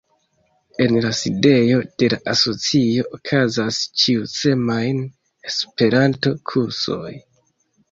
En la sidejo de la Asocio okazas ĉiusemajne Esperanto-kursoj.